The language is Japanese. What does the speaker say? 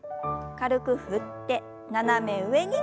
軽く振って斜め上に。